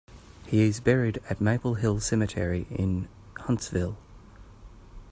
He is buried at Maple Hill Cemetery in Huntsville.